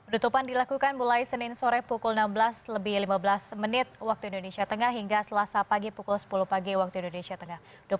tutupan dilakukan mulai senin sore pukul enam belas lebih lima belas menit waktu indonesia tengah hingga selasa pagi pukul sepuluh pagi waktu indonesia tengah